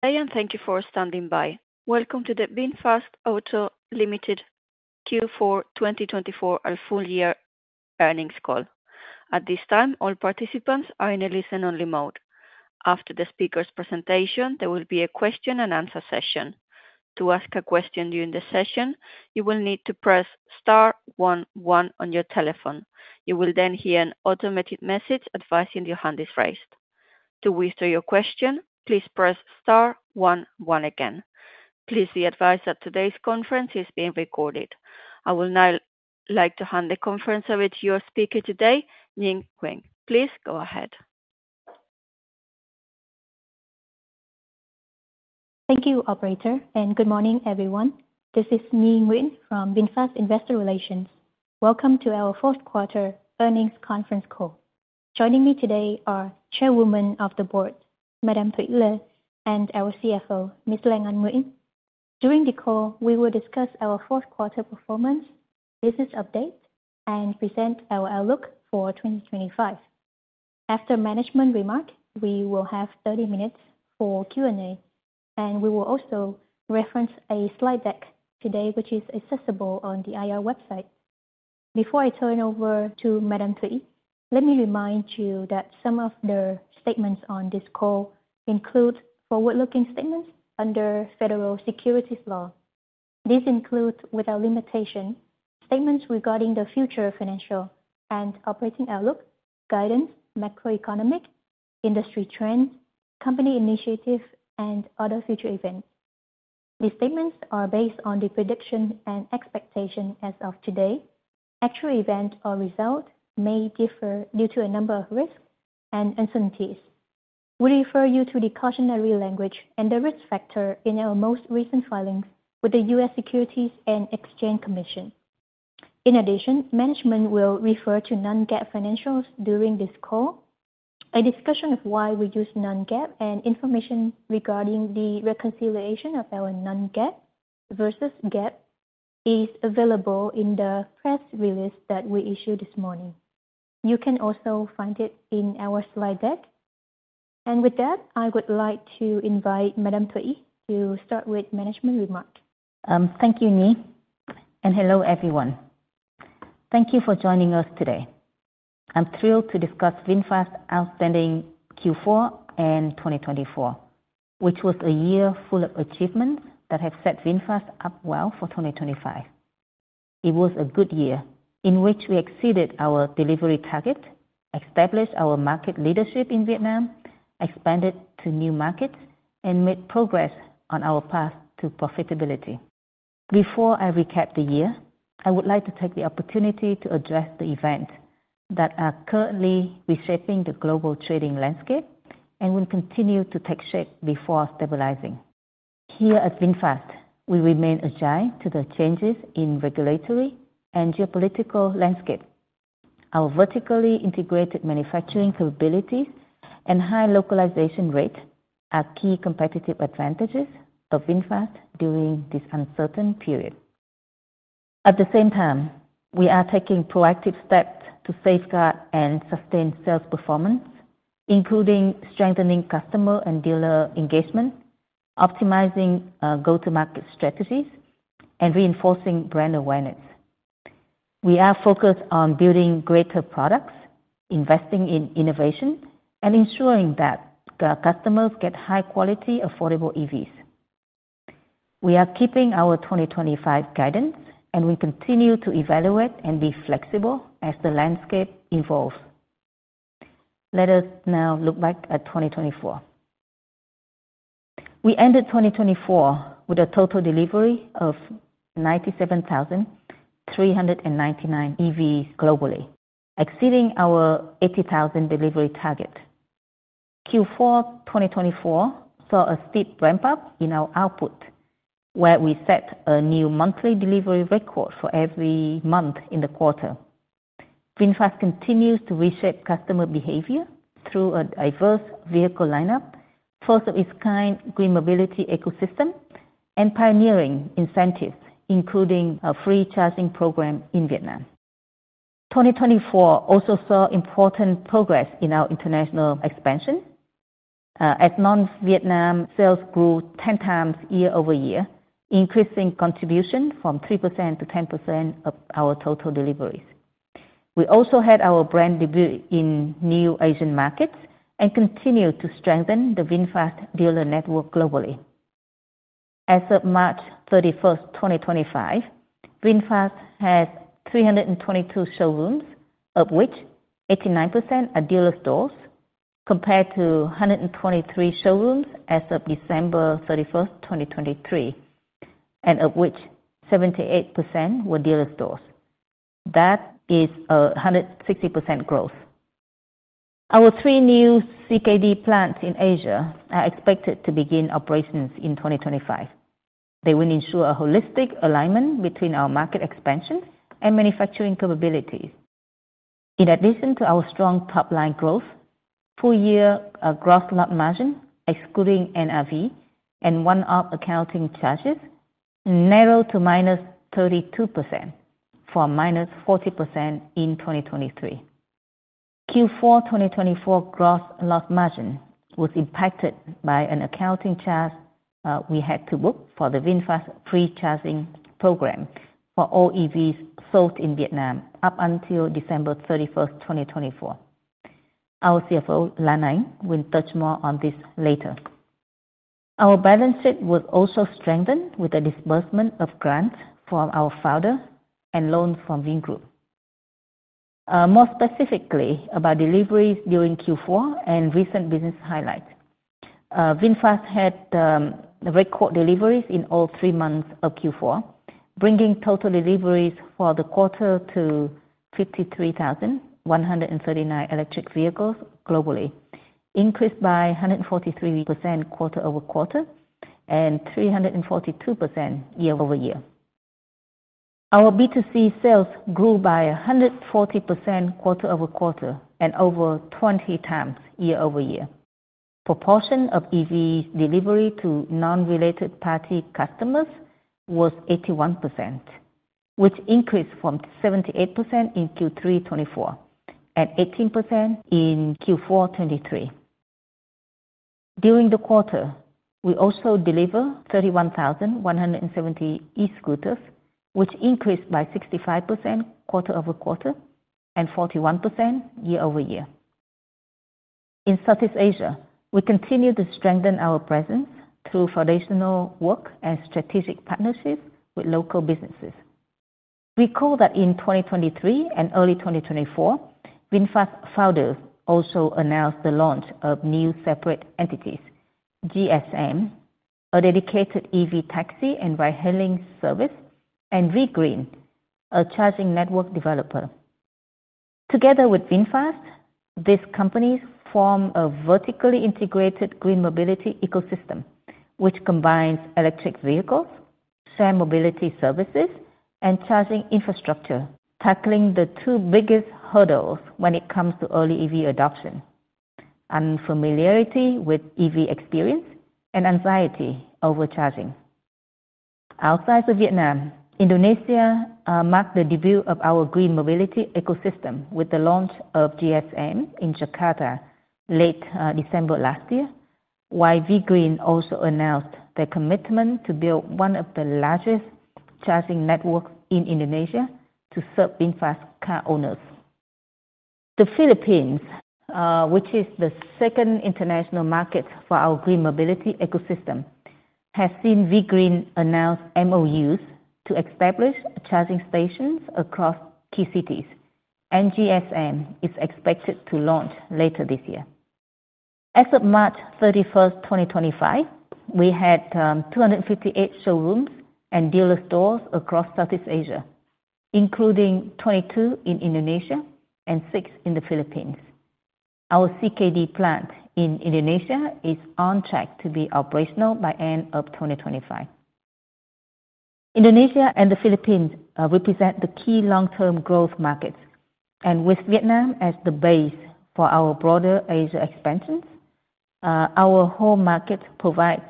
Hi, and thank you for standing by. Welcome to the VinFast Auto Limited Q4 2024, a full-year earnings call. At this time, all participants are in a listen-only mode. After the speaker's presentation, there will be a question-and-answer session. To ask a question during the session, you will need to press star one one on your telephone. You will then hear an automated message advising your hand is raised. To withdraw your question, please press star one one again. Please be advised that today's conference is being recorded. I would now like to hand the conference over to your speaker today, Nhi Nguyen. Please go ahead. Thank you, Operator, and good morning, everyone. This is Nhi Nguyen from VinFast Investor Relations. Welcome to our Fourth-Quarter Earnings Conference Call. Joining me today are Chairwoman of the Board, Madam Thuy Thu Le, and our CFO, Ms. Lan Anh. During the call, we will discuss our fourth-quarter performance, business update, and present our outlook for 2025. After management remarks, we will have 30 minutes for Q&A, and we will also reference a slide deck today, which is accessible on the IR website. Before I turn over to Madam Thuy, let me remind you that some of the statements on this call include forward-looking statements under federal securities law. These include without limitation statements regarding the future financial and operating outlook, guidance, macroeconomic, industry trends, company initiatives, and other future events. These statements are based on the prediction and expectation as of today. Actual events or results may differ due to a number of risks and uncertainties. We refer you to the cautionary language and the risk factor in our most recent filings with the U.S. Securities and Exchange Commission. In addition, management will refer to non-GAAP financials during this call. A discussion of why we use non-GAAP and information regarding the reconciliation of our non-GAAP versus GAAP is available in the press release that we issued this morning. You can also find it in our slide deck. With that, I would like to invite Madam Thuy to start with management remarks. Thank you, Nhi, and hello, everyone. Thank you for joining us today. I'm thrilled to discuss VinFast's outstanding Q4 and 2024, which was a year full of achievements that have set VinFast up well for 2025. It was a good year in which we exceeded our delivery target, established our market leadership in Vietnam, expanded to new markets, and made progress on our path to profitability. Before I recap the year, I would like to take the opportunity to address the events that are currently reshaping the global trading landscape and will continue to take shape before stabilizing. Here at VinFast, we remain attuned to the changes in regulatory and geopolitical landscape. Our vertically integrated manufacturing capabilities and high localization rate are key competitive advantages of VinFast during this uncertain period. At the same time, we are taking proactive steps to safeguard and sustain sales performance, including strengthening customer and dealer engagement, optimizing go-to-market strategies, and reinforcing brand awareness. We are focused on building greater products, investing in innovation, and ensuring that customers get high-quality, affordable EVs. We are keeping our 2025 guidance, and we continue to evaluate and be flexible as the landscape evolves. Let us now look back at 2024. We ended 2024 with a total delivery of 97,399 EVs globally, exceeding our 80,000 delivery target. Q4 2024 saw a steep ramp-up in our output, where we set a new monthly delivery record for every month in the quarter. VinFast continues to reshape customer behavior through a diverse vehicle lineup, first of its kind, green mobility ecosystem, and pioneering incentives, including a free charging program in Vietnam. 2024 also saw important progress in our international expansion, as non-Vietnam sales grew 10 times year-over-year, increasing contribution from 3% to 10% of our total deliveries. We also had our brand debut in new Asian markets and continue to strengthen the VinFast dealer network globally. As of March 31st, 2025, VinFast has 322 showrooms, of which 89% are dealer stores, compared to 123 showrooms as of December 31st, 2023, and of which 78% were dealer stores. That is a 160% growth. Our three new CKD plants in Asia are expected to begin operations in 2025. They will ensure a holistic alignment between our market expansion and manufacturing capabilities. In addition to our strong top-line growth, full-year gross margin, excluding NRV and one-off accounting charges, narrowed to -32% from -40% in 2023. Q4 2024 gross margin was impacted by an accounting charge we had to book for the VinFast free charging program for all EVs sold in Vietnam up until December 31st, 2024. Our CFO, Lan Anh, will touch more on this later. Our balance sheet was also strengthened with the disbursement of grants from our founder and loans from Vingroup. More specifically about deliveries during Q4 and recent business highlights, VinFast had record deliveries in all three months of Q4, bringing total deliveries for the quarter to 53,139 electric vehicles globally, increased by 143% quarter-over-quarter and 342% year-over-year. Our B2C sales grew by 140% quarter-over-quarter and over 20 times year-over-year. Proportion of EV delivery to non-related party customers was 81%, which increased from 78% in Q3 2024 and 18% in Q4 2023. During the quarter, we also delivered 31,170 e-scooters, which increased by 65% quarter-over-quarter and 41% year-over-year. In Southeast Asia, we continue to strengthen our presence through foundational work and strategic partnerships with local businesses. Recall that in 2023 and early 2024, VinFast founders also announced the launch of new separate entities, GSM, a dedicated EV taxi and ride-hailing service, and V-GREEN, a charging network developer. Together with VinFast, these companies form a vertically integrated green mobility ecosystem, which combines electric vehicles, shared mobility services, and charging infrastructure, tackling the two biggest hurdles when it comes to early EV adoption: unfamiliarity with EV experience and anxiety over charging. Outside of Vietnam, Indonesia marked the debut of our green mobility ecosystem with the launch of GSM in Jakarta late December last year, while V-GREEN also announced their commitment to build one of the largest charging networks in Indonesia to serve VinFast car owners. The Philippines, which is the second international market for our green mobility ecosystem, has seen V-GREEN announce MOUs to establish charging stations across key cities, and GSM is expected to launch later this year. As of March 31st, 2025, we had 258 showrooms and dealer stores across Southeast Asia, including 22 in Indonesia and 6 in the Philippines. Our CKD plant in Indonesia is on track to be operational by the end of 2025. Indonesia and the Philippines represent the key long-term growth markets, and with Vietnam as the base for our broader Asia expansions, our home market provides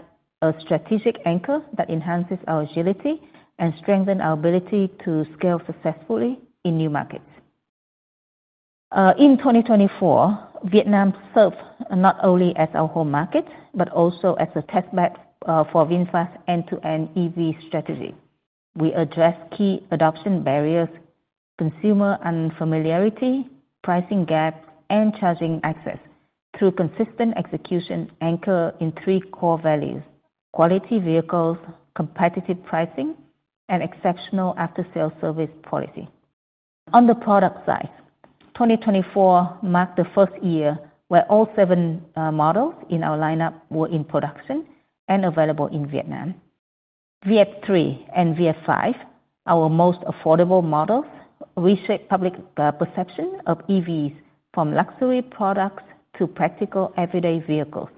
a strategic anchor that enhances our agility and strengthens our ability to scale successfully in new markets. In 2024, Vietnam serves not only as our home market but also as a testbed for VinFast's end-to-end EV strategy. We address key adoption barriers, consumer unfamiliarity, pricing gaps, and charging access through consistent execution anchored in three core values: quality vehicles, competitive pricing, and exceptional after-sales service policy. On the product side, 2024 marked the first year where all seven models in our lineup were in production and available in Vietnam. VF 3 and VF 5, our most affordable models, reshaped public perception of EVs from luxury products to practical everyday vehicles.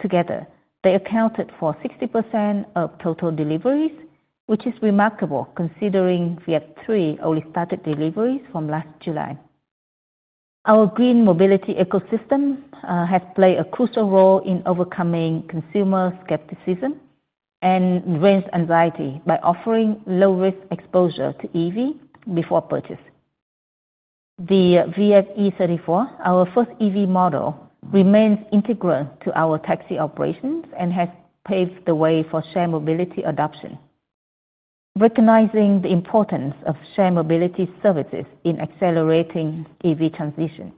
Together, they accounted for 60% of total deliveries, which is remarkable considering VF 3 only started deliveries from last July. Our green mobility ecosystem has played a crucial role in overcoming consumer skepticism and range anxiety by offering low-risk exposure to EV before purchase. The VF e34, our first EV model, remains integral to our taxi operations and has paved the way for shared mobility adoption. Recognizing the importance of shared mobility services in accelerating EV transition,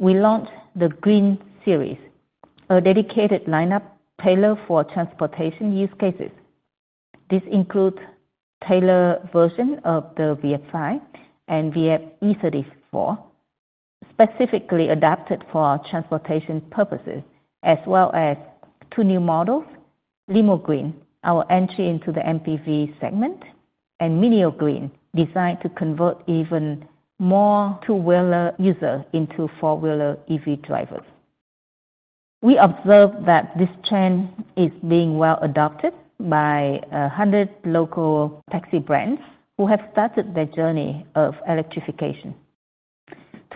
we launched the Green SM, a dedicated lineup tailored for transportation use cases. This includes the tailored version of the VF 5 and VF e34, specifically adapted for transportation purposes, as well as two new models, Limo Green, our entry into the MPV segment, and Mini Green, designed to convert even more two-wheeler users into four-wheeler EV drivers. We observe that this trend is being well adopted by 100 local taxi brands who have started their journey of electrification.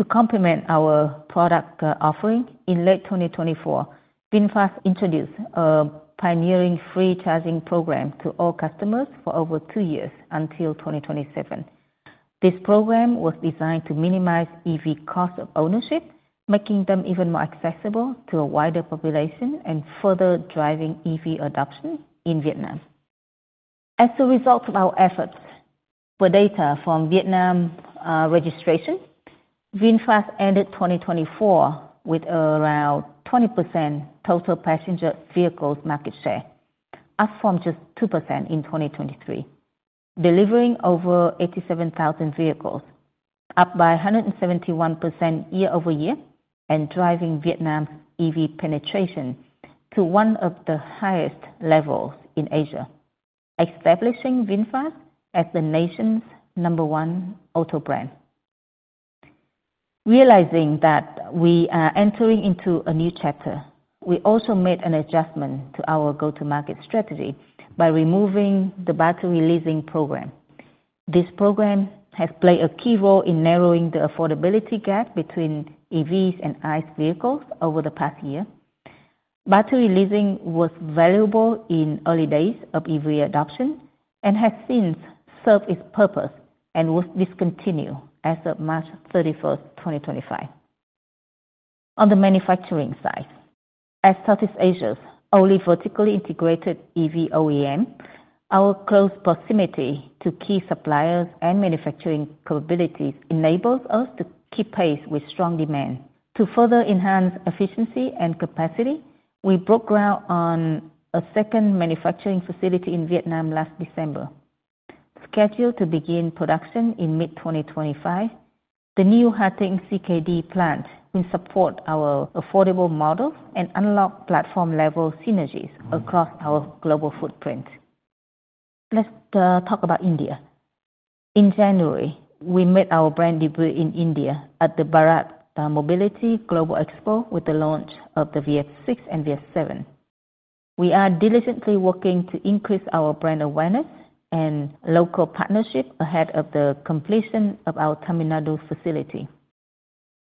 To complement our product offering, in late 2024, VinFast introduced a pioneering free charging program to all customers for over two years until 2027. This program was designed to minimize EV cost of ownership, making them even more accessible to a wider population and further driving EV adoption in Vietnam. As a result of our efforts, with data from Vietnam registration, VinFast ended 2024 with around 20% total passenger vehicles market share, up from just 2% in 2023, delivering over 87,000 vehicles, up by 171% year-over-year, and driving Vietnam's EV penetration to one of the highest levels in Asia, establishing VinFast as the nation's number one auto brand. Realizing that we are entering into a new chapter, we also made an adjustment to our go-to-market strategy by removing the battery leasing program. This program has played a key role in narrowing the affordability gap between EVs and ICE vehicles over the past year. Battery leasing was valuable in the early days of EV adoption and has since served its purpose and was discontinued as of March 31st, 2025. On the manufacturing side, as Southeast Asia's only vertically integrated EV OEM, our close proximity to key suppliers and manufacturing capabilities enables us to keep pace with strong demand. To further enhance efficiency and capacity, we broke ground on a second manufacturing facility in Vietnam last December, scheduled to begin production in mid-2025. The new Ha Tinh CKD plant will support our affordable models and unlock platform-level synergies across our global footprint. Let's talk about India. In January, we made our brand debut in India at the Bharat Mobility Global Expo with the launch of the VF 6 and VF 7. We are diligently working to increase our brand awareness and local partnership ahead of the completion of our Tamil Nadu facility.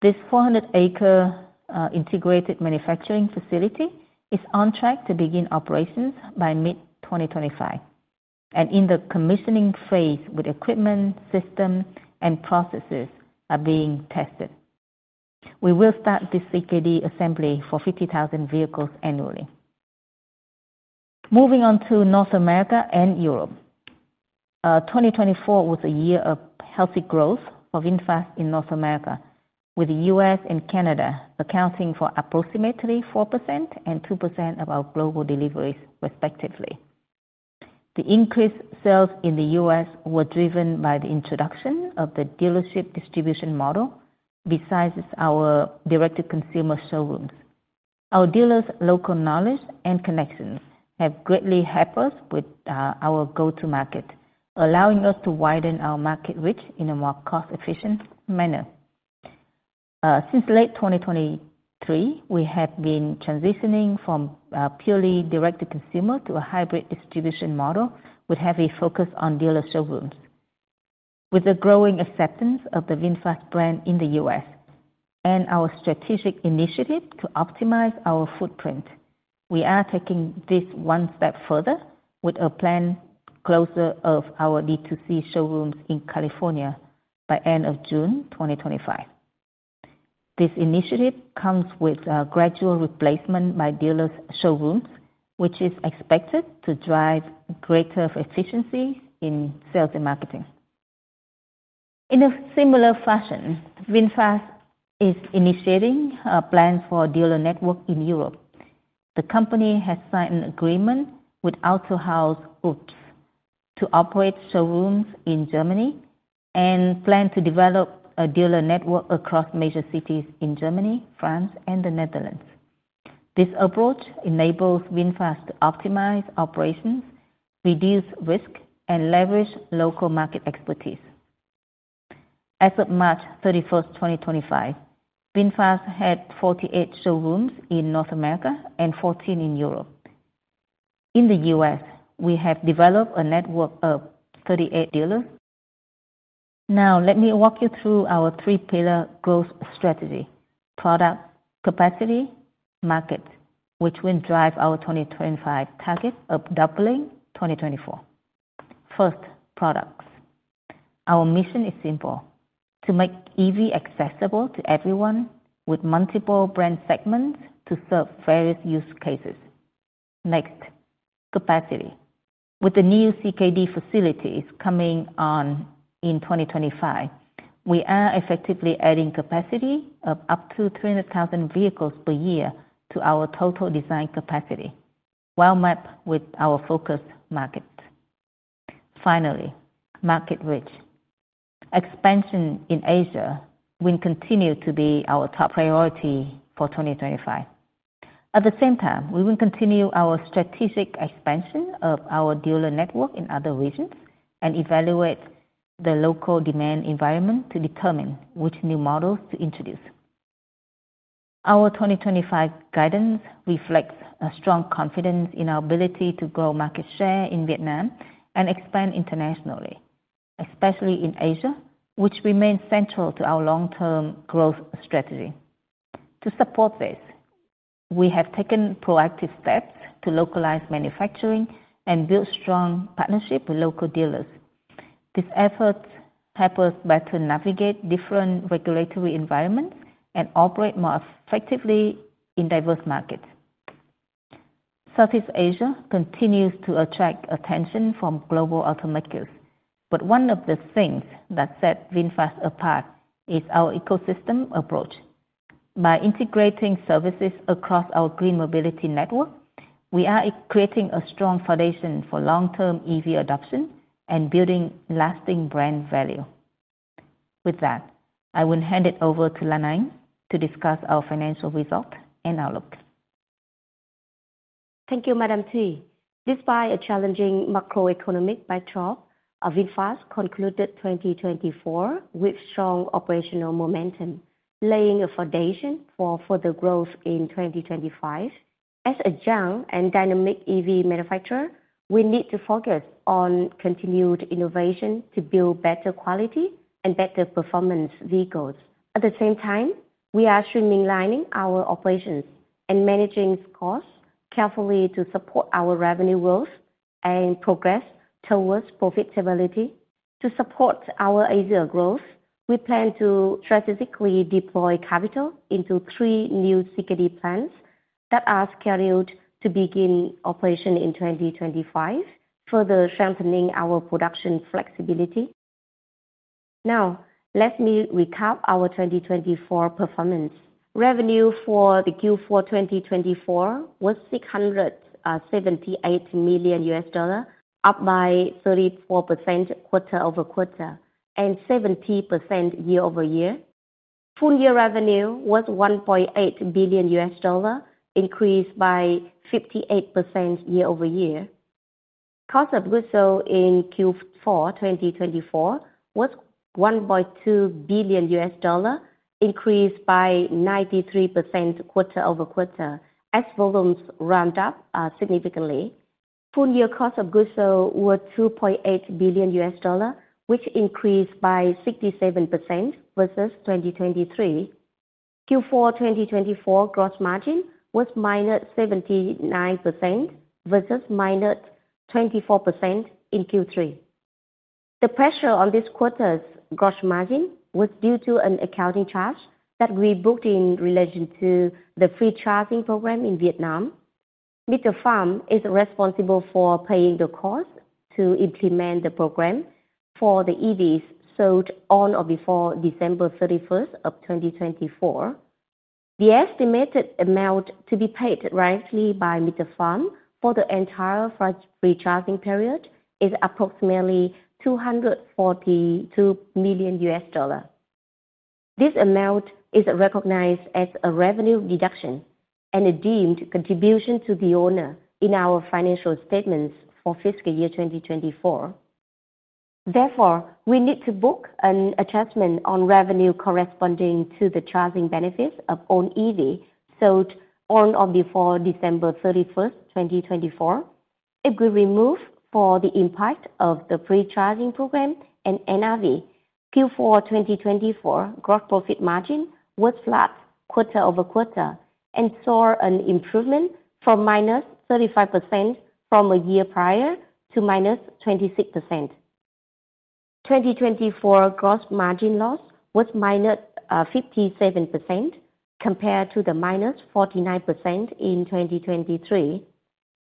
This 400-acre integrated manufacturing facility is on track to begin operations by mid-2025, and the commissioning phase with equipment, systems, and processes is being tested. We will start this CKD assembly for 50,000 vehicles annually. Moving on to North America and Europe, 2024 was a year of healthy growth for VinFast in North America, with the U.S. and Canada accounting for approximately 4% and 2% of our global deliveries, respectively. The increased sales in the U.S. were driven by the introduction of the dealership distribution model besides our direct-to-consumer showrooms. Our dealers' local knowledge and connections have greatly helped us with our go-to-market, allowing us to widen our market reach in a more cost-efficient manner. Since late 2023, we have been transitioning from a purely direct-to-consumer to a hybrid distribution model with heavy focus on dealer showrooms. With the growing acceptance of the VinFast brand in the U.S. and our strategic initiative to optimize our footprint, we are taking this one step further with a plan to close our D2C showrooms in California by the end of June 2025. This initiative comes with a gradual replacement by dealer showrooms, which is expected to drive greater efficiency in sales and marketing. In a similar fashion, VinFast is initiating plans for a dealer network in Europe. The company has signed an agreement with Autohaus Geisser to operate showrooms in Germany and plans to develop a dealer network across major cities in Germany, France, and the Netherlands. This approach enables VinFast to optimize operations, reduce risk, and leverage local market expertise. As of March 31st, 2025, VinFast had 48 showrooms in North America and 14 in Europe. In the U.S., we have developed a network of 38 dealers. Now, let me walk you through our three-pillar growth strategy: product, capacity, market, which will drive our 2025 target of doubling 2024. First, products. Our mission is simple: to make EV accessible to everyone with multiple brand segments to serve various use cases. Next, capacity. With the new CKD facilities coming on in 2025, we are effectively adding capacity of up to 300,000 vehicles per year to our total design capacity, well-mapped with our focus market. Finally, market reach. Expansion in Asia will continue to be our top priority for 2025. At the same time, we will continue our strategic expansion of our dealer network in other regions and evaluate the local demand environment to determine which new models to introduce. Our 2025 guidance reflects a strong confidence in our ability to grow market share in Vietnam and expand internationally, especially in Asia, which remains central to our long-term growth strategy. To support this, we have taken proactive steps to localize manufacturing and build strong partnerships with local dealers. These efforts help us better navigate different regulatory environments and operate more effectively in diverse markets. Southeast Asia continues to attract attention from global automakers, but one of the things that sets VinFast apart is our ecosystem approach. By integrating services across our green mobility network, we are creating a strong foundation for long-term EV adoption and building lasting brand value. With that, I will hand it over to Lan Anh to discuss our financial results and outlook. Thank you, Madam Thuy. Despite a challenging macroeconomic backdrop, VinFast concluded 2024 with strong operational momentum, laying a foundation for further growth in 2025. As a young and dynamic EV manufacturer, we need to focus on continued innovation to build better quality and better performance vehicles. At the same time, we are streamlining our operations and managing costs carefully to support our revenue growth and progress towards profitability. To support our Asia growth, we plan to strategically deploy capital into three new CKD plants that are scheduled to begin operation in 2025, further strengthening our production flexibility. Now, let me recap our 2024 performance. Revenue for the Q4 2024 was $678 million, up by 34% quarter-over-quarter and 70% year-over-year. Full year revenue was $1.8 billion, increased by 58% year-over-year. Cost of goods sold in Q4 2024 was $1.2 billion, increased by 93% quarter-over-quarter as volumes ramped up significantly. Full year cost of goods sold was $2.8 billion, which increased by 67% versus 2023. Q4 2024 gross margin was -79% versus -24% in Q3. The pressure on this quarter's gross margin was due to an accounting charge that we booked in relation to the free charging program in Vietnam. Pham Nhat Vuong is responsible for paying the cost to implement the program for the EVs sold on or before December 31st of 2024. The estimated amount to be paid directly by Pham Nhat Vuong for the entire free charging period is approximately $242 million. This amount is recognized as a revenue deduction and a deemed contribution to the owner in our financial statements for fiscal year 2024. Therefore, we need to book an adjustment on revenue corresponding to the charging benefits of own EVs sold on or before December 31st, 2024. It will remove for the impact of the free charging program and NRV. Q4 2024 gross profit margin was flat quarter-over-quarter and saw an improvement from -35% from a year prior to -26%. 2024 gross margin loss was -57% compared to the -49% in 2023.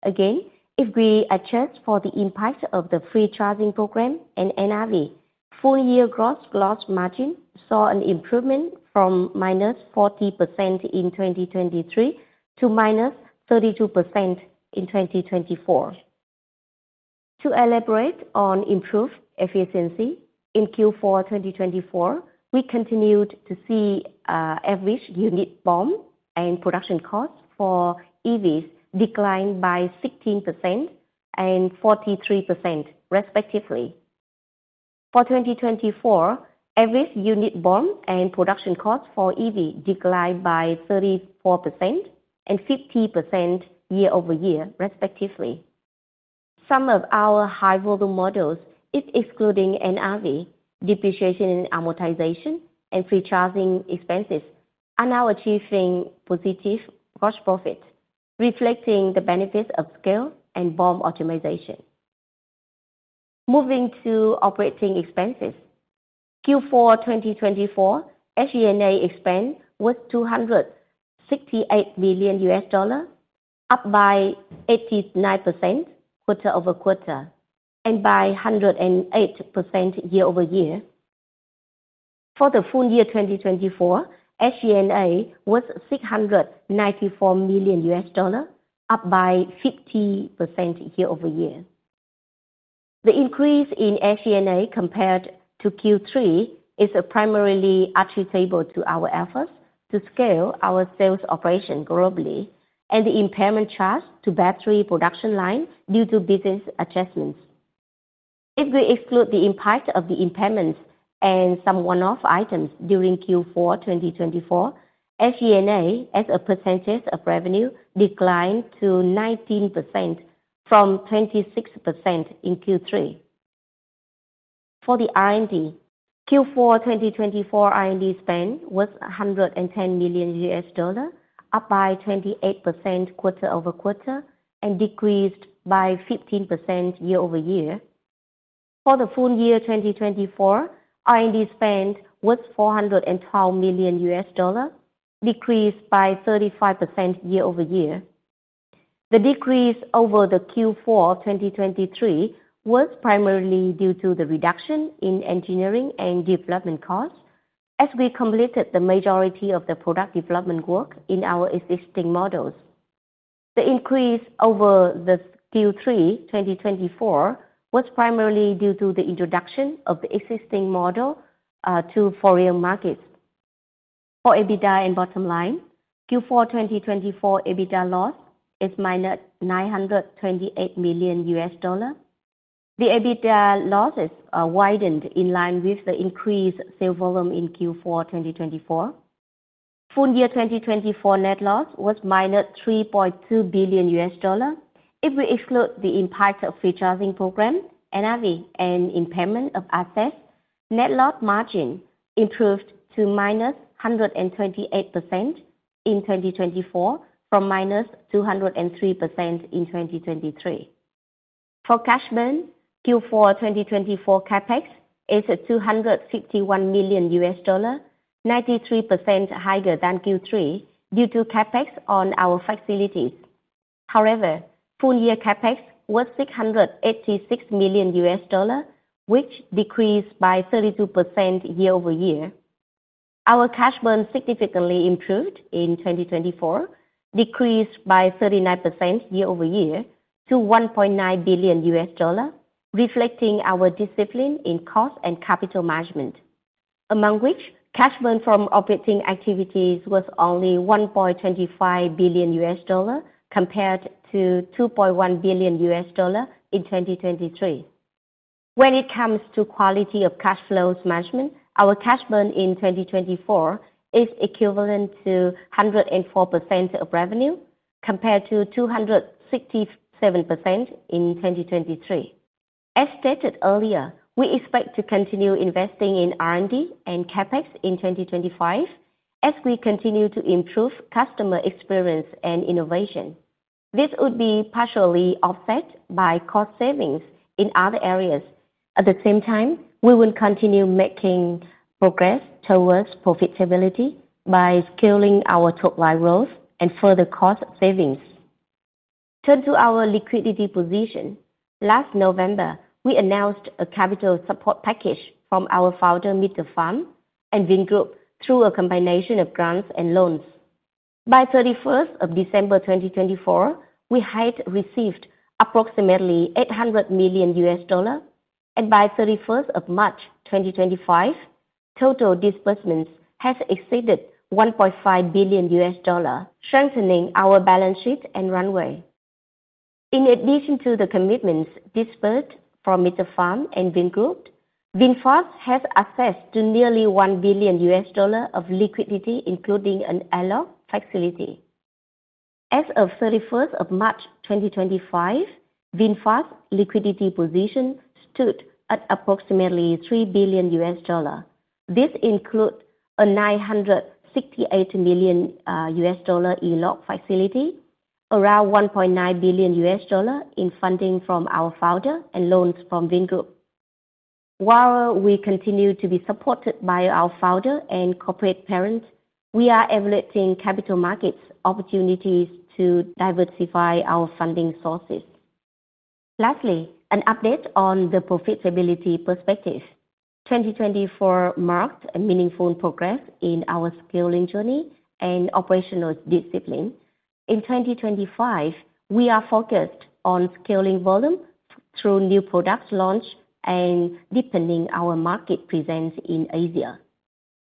Again, if we adjust for the impact of the free charging program and NRV, full year gross loss margin saw an improvement from -40% in 2023 to -32% in 2024. To elaborate on improved efficiency in Q4 2024, we continued to see average unit BOM and production cost for EVs decline by 16% and 43%, respectively. For 2024, average unit BOM and production cost for EVs declined by 34% and 50% year-over-year, respectively. Some of our high-volume models, excluding NRV, depreciation and amortization, and free charging expenses, are now achieving positive gross profit, reflecting the benefits of scale and BOM optimization. Moving to operating expenses, Q4 2024 SG&A expense was $268 million, up by 89% quarter-over-quarter and by 108% year-over-year. For the full year 2024, SG&A was $694 million, up by 50% year-over-year. The increase in SG&A compared to Q3 is primarily attributable to our efforts to scale our sales operation globally and the impairment charge to battery production line due to business adjustments. If we exclude the impact of the impairments and some one-off items during Q4 2024, SG&A as a percentage of revenue declined to 19% from 26% in Q3. For the R&D, Q4 2024 R&D spend was $110 million, up by 28% quarter-over-quarter and decreased by 15% year-over-year. For the full year 2024, R&D spend was $412 million, decreased by 35% year-over-year. The decrease over the Q4 2023 was primarily due to the reduction in engineering and development costs as we completed the majority of the product development work in our existing models. The increase over the Q3 2024 was primarily due to the introduction of the existing model to foreign markets. For EBITDA and bottom line, Q4 2024 EBITDA loss is -$928 million. The EBITDA loss is widened in line with the increased sale volume in Q4 2024. Full year 2024 net loss was -$3.2 billion. If we exclude the impact of free charging program, NRV, and impairment of assets, net loss margin improved to -128% in 2024 from -203% in 2023. For cash burn Q4 2024, CapEx is $261 million, 93% higher than Q3 due to CapEx on our facilities. However, full year CapEx was $686 million, which decreased by 32% year-over-year. Our cash burn significantly improved in 2024, decreased by 39% year-over-year to $1.9 billion, reflecting our discipline in cost and capital management, among which cash burn from operating activities was only $1.25 billion compared to $2.1 billion in 2023. When it comes to quality of cash flows management, our cash burn in 2024 is equivalent to 104% of revenue compared to 267% in 2023. As stated earlier, we expect to continue investing in R&D and CapEx in 2025 as we continue to improve customer experience and innovation. This would be partially offset by cost savings in other areas. At the same time, we will continue making progress towards profitability by scaling our top line growth and further cost savings. Turn to our liquidity position. Last November, we announced a capital support package from our founder, Pham Nhat Vuong and Vingroup, through a combination of grants and loans. By 31st of December 2024, we had received approximately $800 million, and by 31st of March 2025, total disbursements had exceeded $1.5 billion, strengthening our balance sheet and runway. In addition to the commitments disbursed from Pham Nhat Vuong and Vingroup, VinFast has access to nearly $1 billion of liquidity, including an ELOC facility. As of 31st of March 2025, VinFast's liquidity position stood at approximately $3 billion. This includes a $968 million ELOC facility, around $1.9 billion in funding from our founder and loans from Vingroup. While we continue to be supported by our founder and corporate parent, we are evaluating capital markets opportunities to diversify our funding sources. Lastly, an update on the profitability perspective. 2024 marked a meaningful progress in our scaling journey and operational discipline. In 2025, we are focused on scaling volume through new product launch and deepening our market presence in Asia.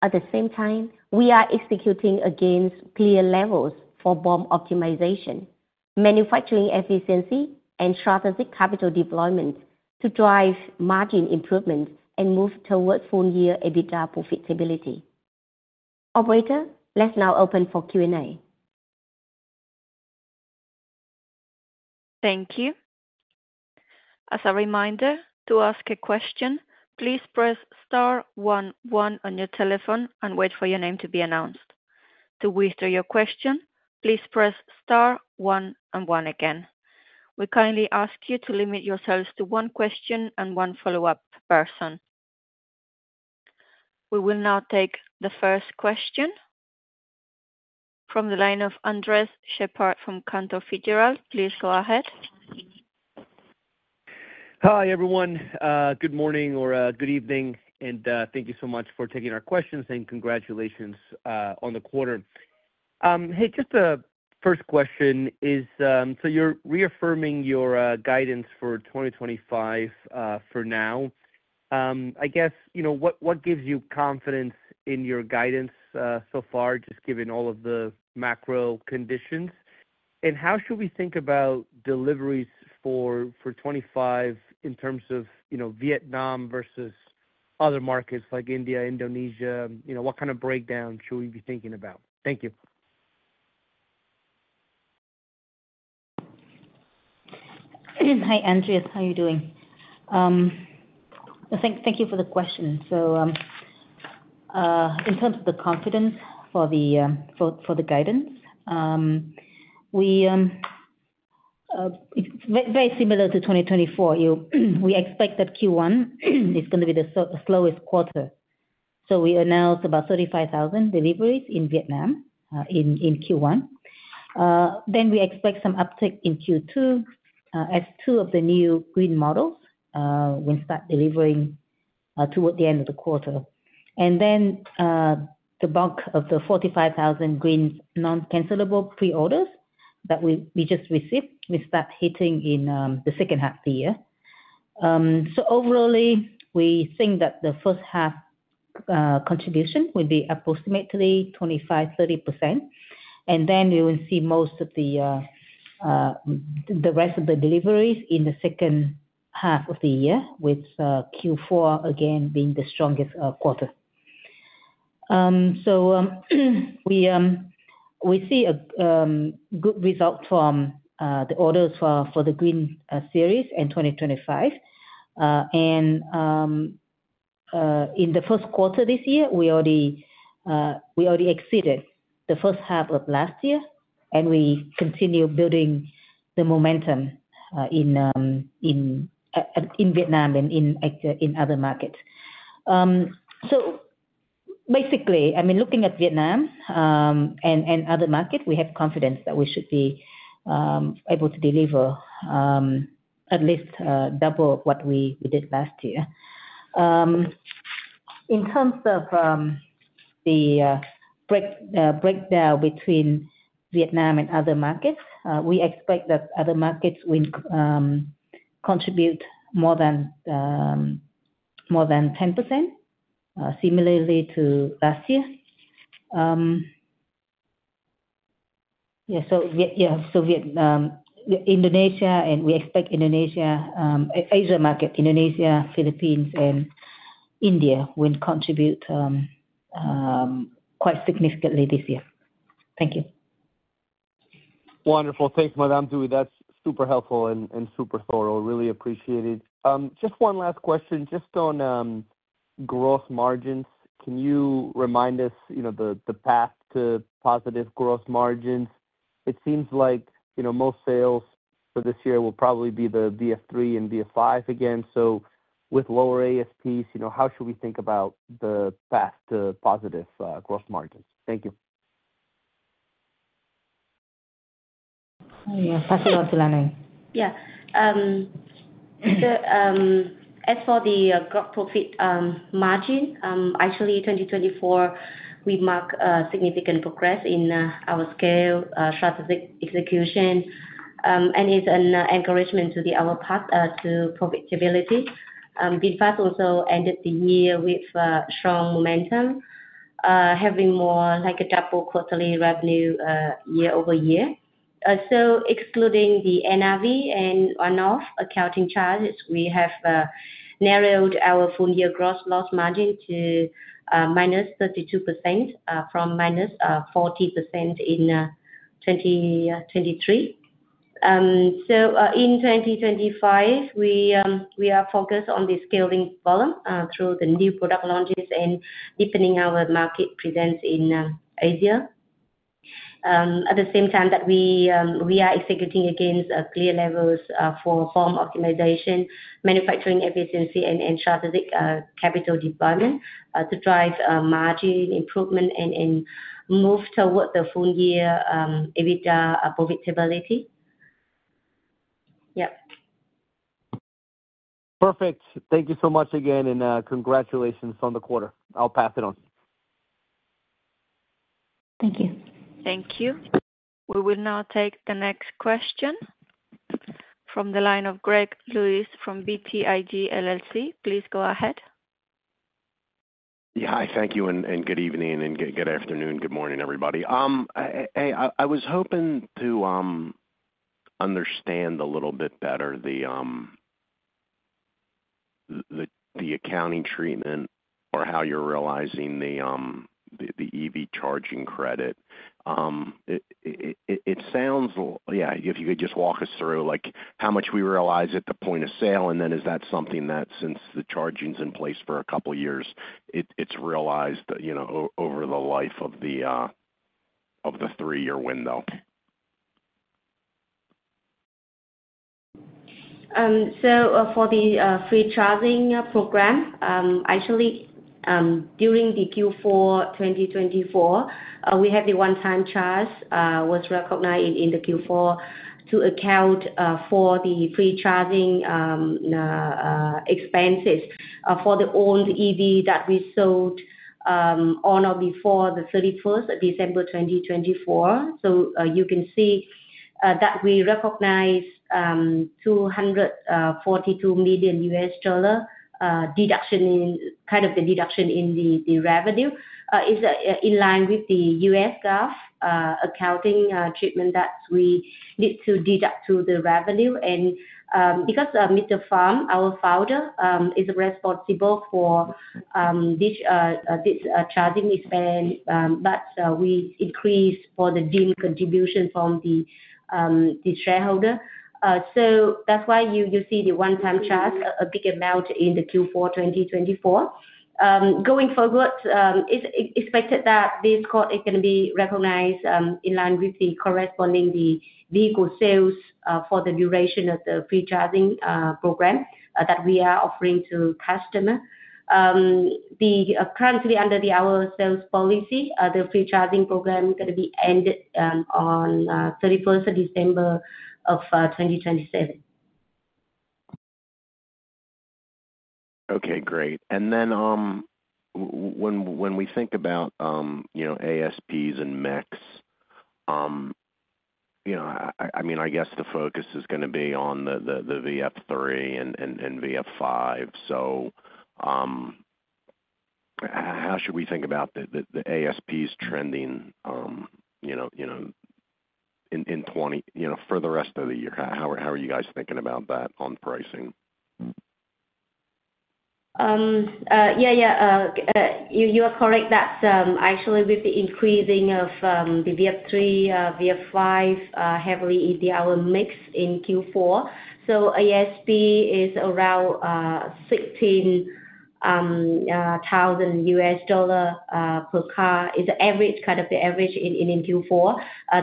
At the same time, we are executing against clear levers for BOM optimization, manufacturing efficiency, and strategic capital deployment to drive margin improvement and move towards full year EBITDA profitability. Operator, let's now open for Q&A. Thank you. As a reminder, to ask a question, please press star one one on your telephone and wait for your name to be announced. To withdraw your question, please press star one one again. We kindly ask you to limit yourselves to one question and one follow-up person. We will now take the first question from the line of Andres Sheppard from Cantor Fitzgerald. Please go ahead. Hi everyone. Good morning or good evening, and thank you so much for taking our questions and congratulations on the quarter. Hey, just the first question is, so you're reaffirming your guidance for 2025 for now. I guess, you know, what gives you confidence in your guidance so far, just given all of the macro conditions? How should we think about deliveries for 2025 in terms of Vietnam versus other markets like India, Indonesia? You know, what kind of breakdown should we be thinking about? Thank you. Hi, Andres. How are you doing? Thank you for the question. In terms of the confidence for the guidance, we, very similar to 2024, expect that Q1 is going to be the slowest quarter. We announced about 35,000 deliveries in Vietnam in Q1. We expect some uptick in Q2 as two of the new Green SM models will start delivering toward the end of the quarter. The bulk of the 45,000 Green non-cancellable pre-orders that we just received will start hitting in the second half of the year. Overall, we think that the first half contribution will be approximately 25%-30%. We will see most of the rest of the deliveries in the second half of the year, with Q4 again being the strongest quarter. We see a good result from the orders for the Green SM and 2025. In the first quarter this year, we already exceeded the first half of last year, and we continue building the momentum in Vietnam and in other markets. Basically, I mean, looking at Vietnam and other markets, we have confidence that we should be able to deliver at least double what we did last year. In terms of the breakdown between Vietnam and other markets, we expect that other markets will contribute more than 10%, similarly to last year. Yeah, so Indonesia, and we expect Indonesia, Asia market, Indonesia, Philippines, and India will contribute quite significantly this year. Thank you. Wonderful. Thanks, Madam Thuy, that's super helpful and super thorough. Really appreciate it. Just one last question, just on gross margins. Can you remind us, you know, the path to positive gross margins? It seems like, you know, most sales for this year will probably be the VF 3 and VF 5 again. So with lower ASPs, you know, how should we think about the path to positive gross margins? Thank you. Yeah, I'll pass it to Lan Anh. Yeah. As for the gross profit margin, actually, 2024, we marked a significant progress in our scale strategic execution, and it's an encouragement to our path to profitability. VinFast also ended the year with strong momentum, having more like a double quarterly revenue year-over-year. Excluding the NRV and one-off accounting charges, we have narrowed our full year gross loss margin to -32% from -40% in 2023. In 2025, we are focused on the scaling volume through the new product launches and deepening our market presence in Asia. At the same time that we are executing against clear levers for BOM optimization, manufacturing efficiency, and strategic capital deployment to drive margin improvement and move toward the full year EBITDA profitability. Yeah. Perfect. Thank you so much again, and congratulations on the quarter. I'll pass it on. Thank you. Thank you. We will now take the next question from the line of Greg Lewis from BTIG. Please go ahead. Yeah, hi, thank you, and good evening, and good afternoon, good morning, everybody. Hey, I was hoping to understand a little bit better the accounting treatment or how you're realizing the EV charging credit. It sounds, yeah, if you could just walk us through, like how much we realize at the point of sale, and then is that something that since the charging's in place for a couple of years, it's realized over the life of the three-year window? For the free charging program, actually, during Q4 2024, we had the one-time charge was recognized in Q4 to account for the free charging expenses for the owned EV that we sold on or before the 31st of December 2024. You can see that we recognize $242 million deduction in kind of the deduction in the revenue is in line with the U.S. GAAP accounting treatment that we need to deduct to the revenue. Because Mr. Pham, our founder, is responsible for this charging expense, we increase for the deemed contribution from the shareholder. That's why you see the one-time charge a big amount in Q4 2024. Going forward, it's expected that this cost is going to be recognized in line with the corresponding vehicle sales for the duration of the free charging program that we are offering to customers. Currently, under our sales policy, the free charging program is going to be ended on 31st of December of 2027. Okay, great. And then when we think about ASPs and mix, you know, I mean, I guess the focus is going to be on the VF 3 and VF 5. So how should we think about the ASPs trending, you know, in 2024, you know, for the rest of the year? How are you guys thinking about that on pricing? Yeah, yeah. You are correct. That's actually with the increasing of the VF 3, VF 5 heavily in our mix in Q4. So ASP is around $16,000 per car. It's an average, kind of the average in Q4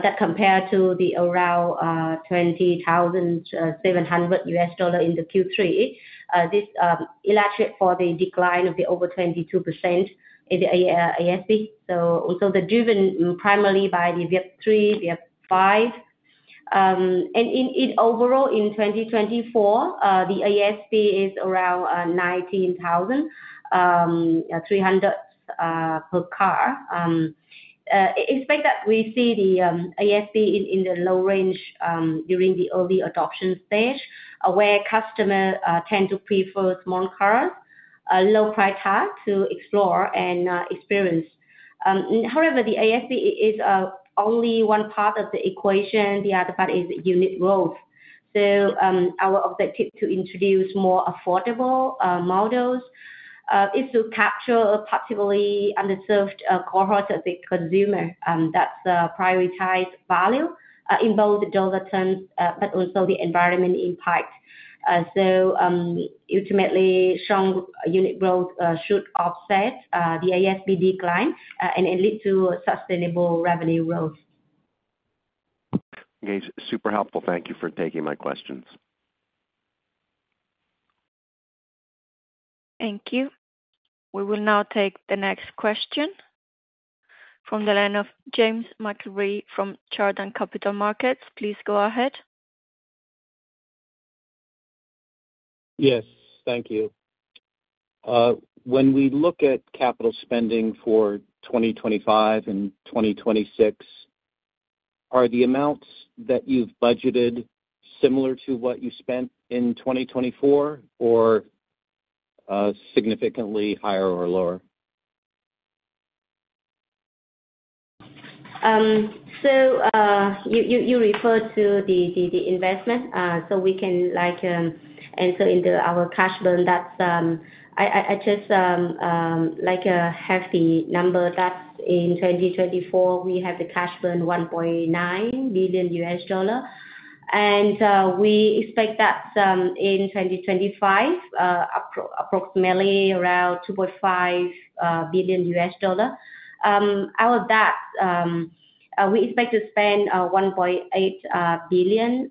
that compared to the around $20,700 in the Q3. This elaborates for the decline of the over 22% in the ASP. Also the driven primarily by the VF 3, VF 5. Overall, in 2024, the ASP is around $19,300 per car. Expect that we see the ASP in the low range during the early adoption stage, where customers tend to prefer small cars, low price tag to explore and experience. However, the ASP is only one part of the equation. The other part is unit growth. Our objective to introduce more affordable models is to capture a particularly underserved cohort of the consumer that's prioritized value in both dollar terms, but also the environment impact. Ultimately, strong unit growth should offset the ASP decline and lead to sustainable revenue growth. Okay, super helpful. Thank you for taking my questions. Thank you. We will now take the next question from the line of James McIlree from Chardan Capital Markets. Please go ahead. Yes, thank you. When we look at capital spending for 2025 and 2026, are the amounts that you've budgeted similar to what you spent in 2024 or significantly higher or lower? You refer to the investment, so we can like answer into our cash burn that's I just like have the number that in 2024, we have the cash burn $1.9 billion U.S. dollar. We expect that in 2025, approximately around $2.5 billion U.S. dollar. Out of that, we expect to spend $1.8 billion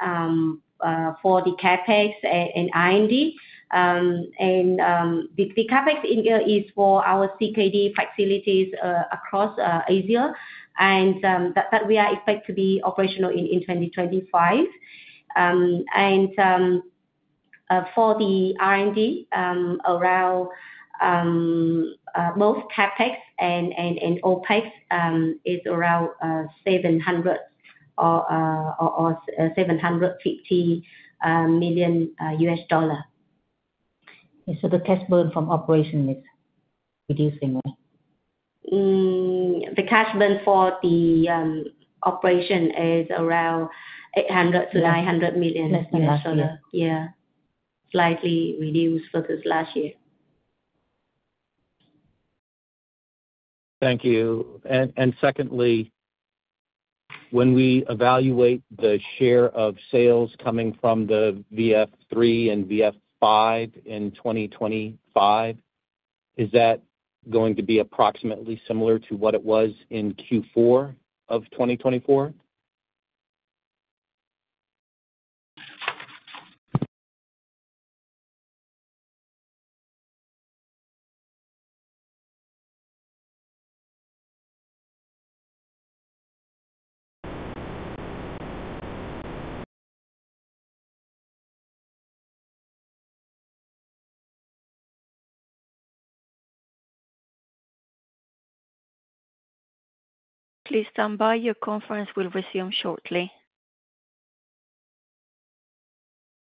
for the CapEx and R&D. The CapEx is for our CKD facilities across Asia, and that we are expected to be operational in 2025. For the R&D, around both CapEx and OpEx is around $700 or $750 million U.S. dollar. The cash burn from operation is reducing, right? The cash burn for the operation is around $800 million-$900 million U.S. dollar. Yeah, slightly reduced versus last year. Thank you. Secondly, when we evaluate the share of sales coming from the VF 3 and VF 5 in 2025, is that going to be approximately similar to what it was in Q4 of 2024? Please stand by. Your conference will resume shortly.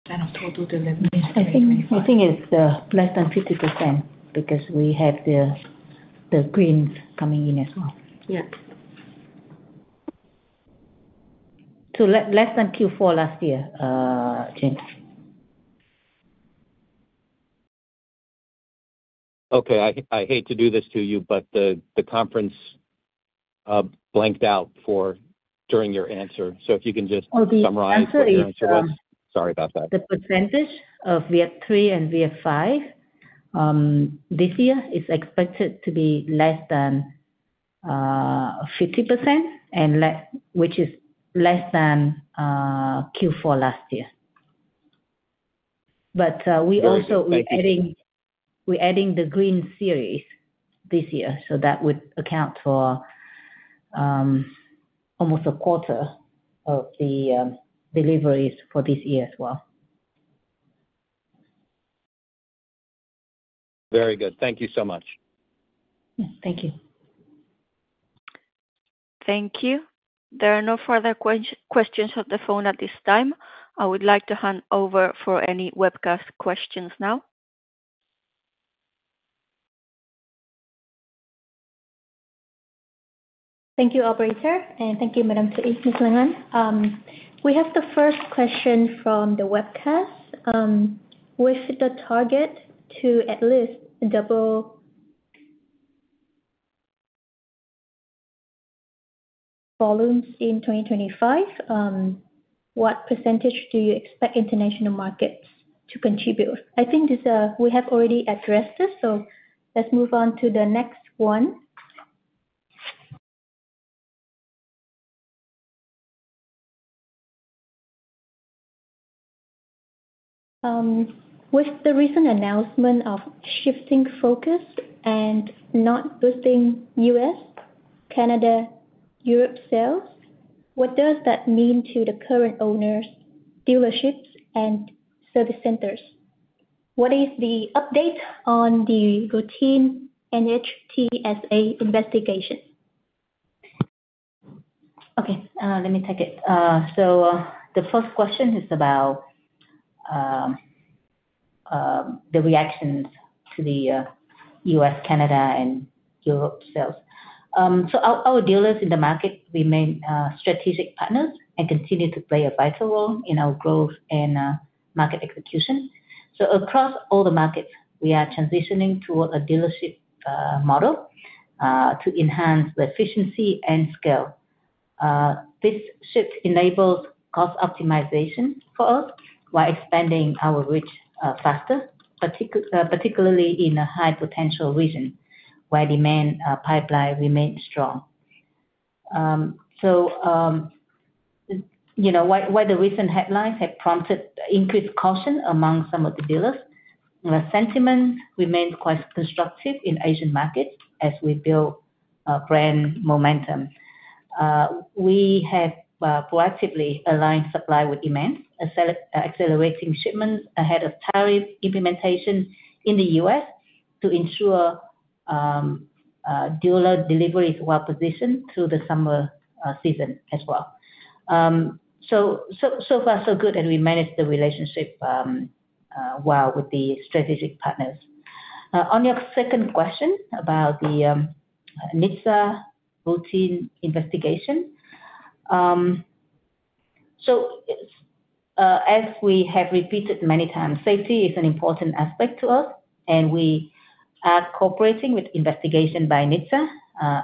10% of total delivery. I think it's less than 50% because we have the greens coming in as well. Yeah. Less than Q4 last year, James. I hate to do this to you, but the conference blanked out during your answer. If you can just summarize what the answer was. Sorry about that. The percentage of VF 3 and VF 5 this year is expected to be less than 50%, which is less than Q4 last year. We also are adding the Green SM this year, so that would account for almost a quarter of the deliveries for this year as well. Very good. Thank you so much. Thank you. Thank you. There are no further questions on the phone at this time. I would like to hand over for any webcast questions now. Thank you, Operator, and thank you, Madam Thuy, Ms. Nguyen. We have the first question from the webcast. With the target to at least double volumes in 2025, what percentage do you expect international markets to contribute? I think we have already addressed this, so let's move on to the next one. With the recent announcement of shifting focus and not boosting U.S., Canada, Europe sales, what does that mean to the current owners, dealerships, and service centers? What is the update on the routine NHTSA investigation? Okay, let me take it. The first question is about the reactions to the U.S., Canada, and Europe sales. Our dealers in the market remain strategic partners and continue to play a vital role in our growth and market execution. Across all the markets, we are transitioning toward a dealership model to enhance efficiency and scale. This shift enables cost optimization for us while expanding our reach faster, particularly in a high-potential region where the demand pipeline remains strong. While the recent headlines have prompted increased caution among some of the dealers, the sentiment remains quite constructive in Asian markets as we build brand momentum. We have proactively aligned supply with demand, accelerating shipments ahead of tariff implementation in the U.S. to ensure dealer deliveries are well-positioned through the summer season as well. So far, so good, and we managed the relationship well with the strategic partners. On your second question about the NHTSA routine investigation, as we have repeated many times, safety is an important aspect to us, and we are cooperating with investigation by NHTSA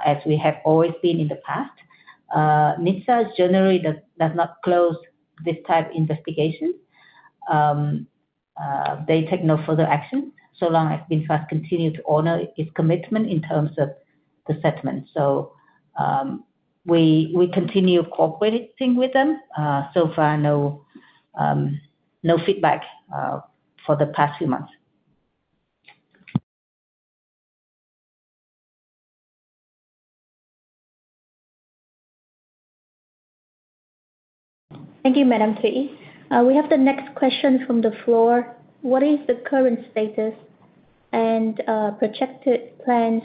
as we have always been in the past. NHTSA generally does not close this type of investigation. They take no further action so long as VinFast continues to honor its commitment in terms of the settlement. We continue cooperating with them. So far, no feedback for the past few months. Thank you, Madam Thuy. We have the next question from the floor. What is the current status and projected plans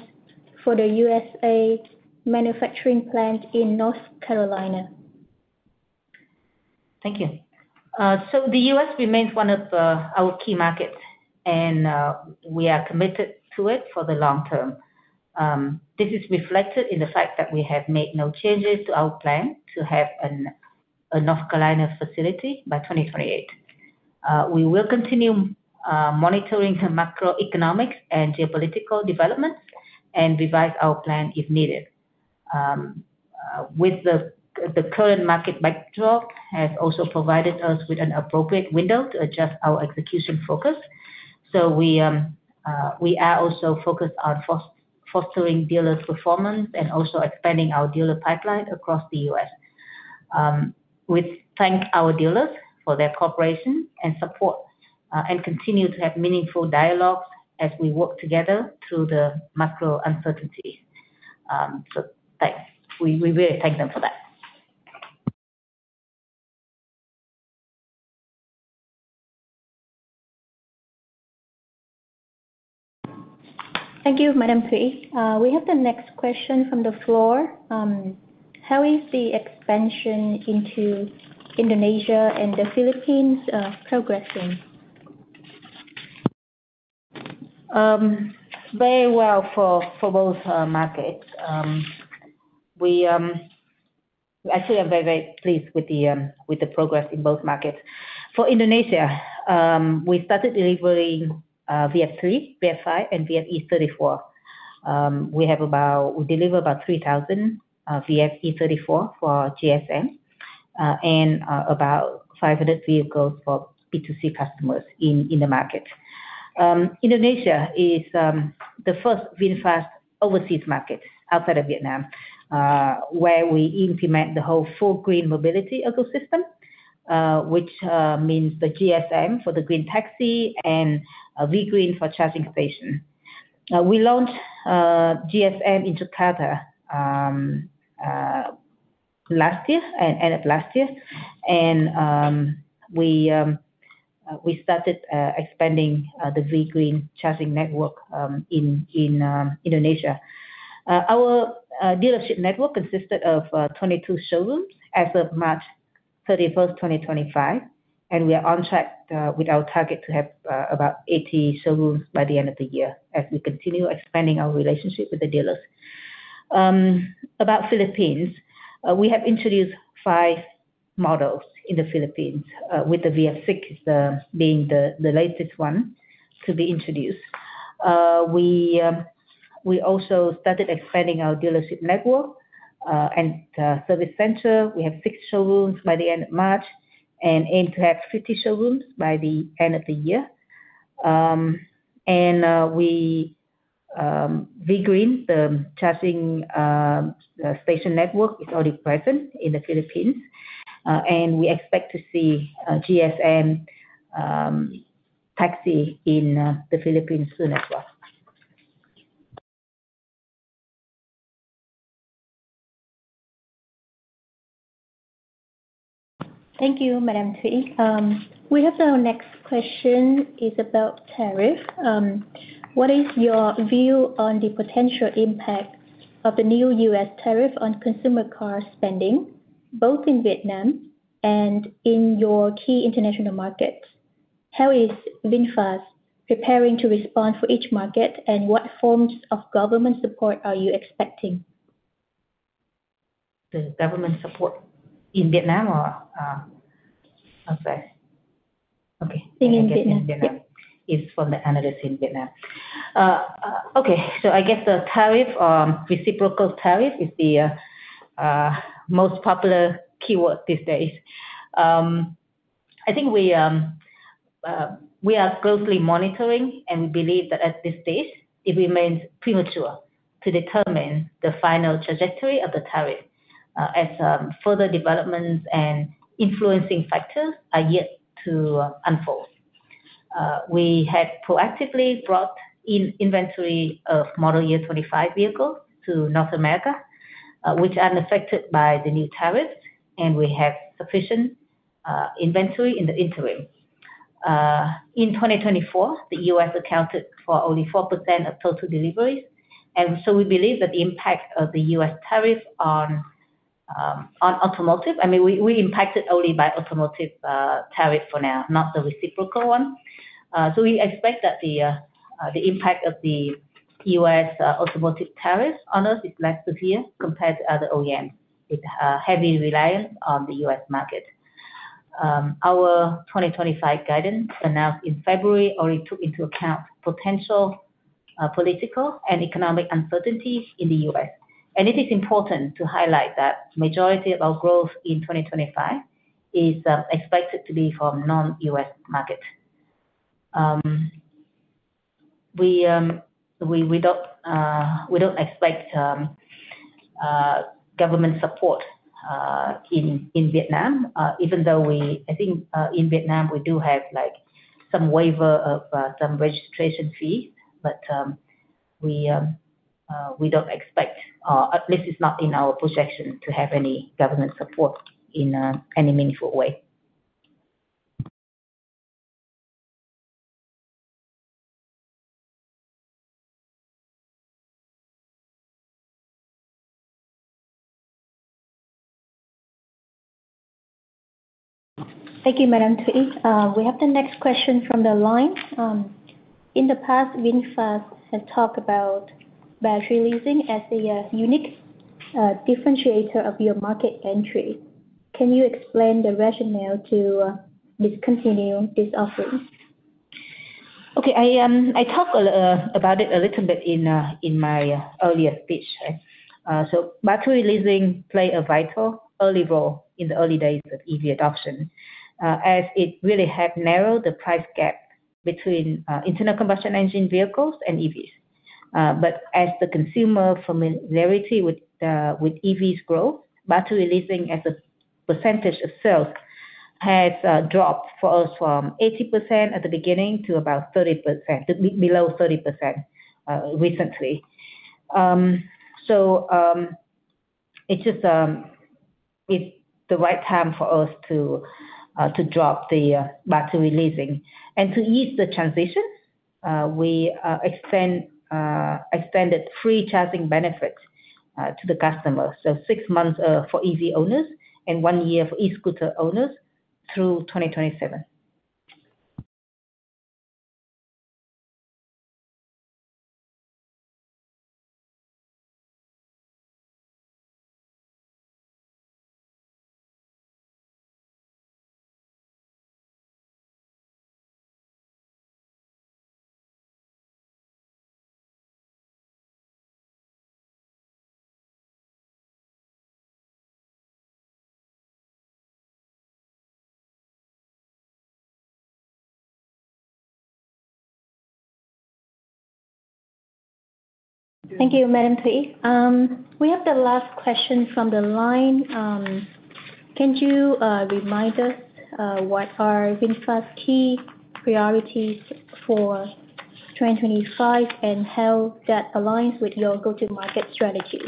for the U.S. manufacturing plant in North Carolina? Thank you. The U.S. remains one of our key markets, and we are committed to it for the long term. This is reflected in the fact that we have made no changes to our plan to have a North Carolina facility by 2028. We will continue monitoring the macroeconomic and geopolitical developments and revise our plan if needed. With the current market backdrop, it has also provided us with an appropriate window to adjust our execution focus. We are also focused on fostering dealer performance and also expanding our dealer pipeline across the U.S. We thank our dealers for their cooperation and support and continue to have meaningful dialogues as we work together through the macro uncertainties. We really thank them for that. Thank you, Madam Thuy. We have the next question from the floor. How is the expansion into Indonesia and the Philippines progressing? Very well for both markets. We actually are very, very pleased with the progress in both markets. For Indonesia, we started delivering VF 3, VF 5, and VF e34. We deliver about 3,000 VF e34 for GSM and about 500 vehicles for B2C customers in the market. Indonesia is the first VF 3 overseas market outside of Vietnam where we implement the whole full green mobility ecosystem, which means the GSM for the green taxi and V-GREEN for charging station. We launched GSM in Jakarta last year and ended last year, and we started expanding the V-GREEN charging network in Indonesia. Our dealership network consisted of 22 showrooms as of March 31st, 2025, and we are on track with our target to have about 80 showrooms by the end of the year as we continue expanding our relationship with the dealers. About the Philippines, we have introduced five models in the Philippines, with the VF6 being the latest one to be introduced. We also started expanding our dealership network and service center. We have six showrooms by the end of March and aim to have 50 showrooms by the end of the year. V-GREEN, the charging station network, is already present in the Philippines, and we expect to see GSM taxi in the Philippines soon as well. Thank you, Madam Thuy. We have the next question is about tariff. What is your view on the potential impact of the new U.S. tariff on consumer car spending, both in Vietnam and in your key international markets? How is VinFast preparing to respond for each market, and what forms of government support are you expecting? The government support in Vietnam or outside? Okay. In Vietnam. It's for the analysts in Vietnam. Okay, so I guess the tariff or reciprocal tariff is the most popular keyword these days. I think we are closely monitoring, and we believe that at this stage, it remains premature to determine the final trajectory of the tariff as further developments and influencing factors are yet to unfold. We have proactively brought in inventory of Model Year 25 vehicles to North America, which are affected by the new tariffs, and we have sufficient inventory in the interim. In 2024, the U.S. accounted for only 4% of total deliveries, and we believe that the impact of the U.S. tariff on automotive—I mean, we are impacted only by automotive tariff for now, not the reciprocal one. We expect that the impact of the U.S. automotive tariffs on us is less severe compared to other OEMs with heavy reliance on the U.S. market. Our 2025 guidance announced in February already took into account potential political and economic uncertainties in the U.S. It is important to highlight that the majority of our growth in 2025 is expected to be from non-U.S. markets. We do not expect government support in Vietnam, even though I think in Vietnam we do have some waiver of some registration fees, but we do not expect—at least it is not in our projection—to have any government support in any meaningful way. Thank you, Madam Thuy. We have the next question from the line. In the past, VinFast has talked about battery leasing as a unique differentiator of your market entry. Can you explain the rationale to discontinue this offering? Okay, I talked about it a little bit in my earlier speech. Battery leasing played a vital early role in the early days of EV adoption as it really had narrowed the price gap between internal combustion engine vehicles and EVs. As the consumer familiarity with EVs grew, battery leasing as a percentage of sales has dropped for us from 80% at the beginning to about below 30% recently. It is the right time for us to drop the battery leasing. To ease the transition, we extended free charging benefits to the customers: six months for EV owners and one year for e-scooter owners through 2027. Thank you, Madam Le Thi Thu Thuy. We have the last question from the line. Can you remind us what are VinFast's key priorities for 2025 and how that aligns with your go-to-market strategy?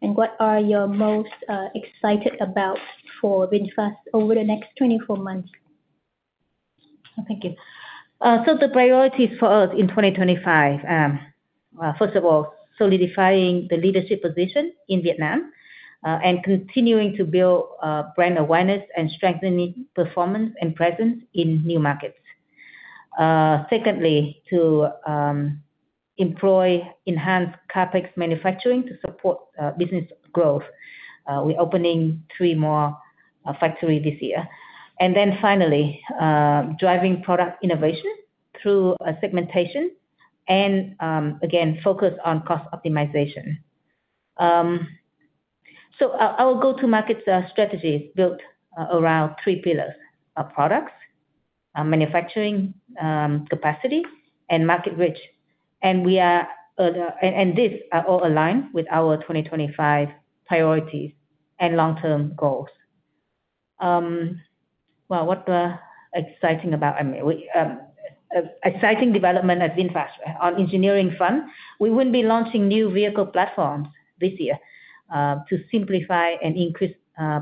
What are you most excited about for VinFast over the next 24 months? Thank you. The priorities for us in 2025, first of all, are solidifying the leadership position in Vietnam and continuing to build brand awareness and strengthening performance and presence in new markets. Secondly, to employ enhanced CKD manufacturing to support business growth. We're opening three more factories this year. Finally, driving product innovation through segmentation and, again, focus on cost optimization. Our go-to-market strategy is built around three pillars: products, manufacturing capacity, and market reach. These are all aligned with our 2025 priorities and long-term goals. What's exciting about exciting development at VinFast on engineering front, we will be launching new vehicle platforms this year to simplify and increase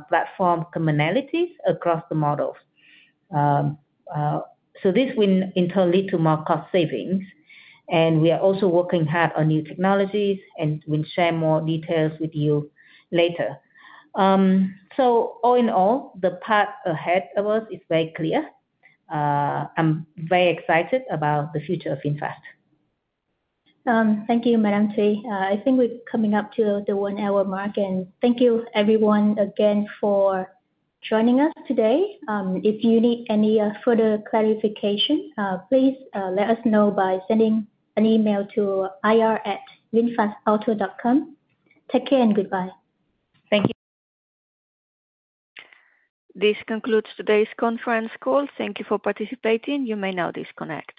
platform commonalities across the models. This will in turn lead to more cost savings, and we are also working hard on new technologies, and we'll share more details with you later. All in all, the path ahead of us is very clear. I'm very excited about the future of VinFast. Thank you, Madam Thuy. I think we're coming up to the one-hour mark, and thank you everyone again for joining us today. If you need any further clarification, please let us know by sending an email to ir@vinfastauto.com. Take care and goodbye. Thank you. This concludes today's conference call. Thank you for participating. You may now disconnect.